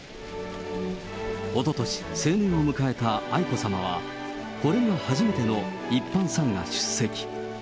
おととし、成年を迎えた愛子さまは、これが初めての一般参賀出席。